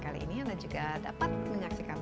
kali ini anda juga dapat menyaksikan